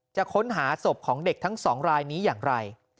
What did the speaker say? จะค้นหาศพของเด็กทั้งสองรายนี้อย่างไร